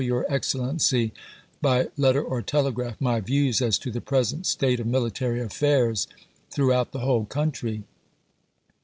*' your Excellency, by letter or telegraph, my views as HARRISON'S LANDING 451 to the present state of military affairs throughout cu.xxrv. the whole country."